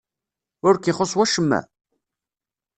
Ur k-ixuṣṣ wacemma?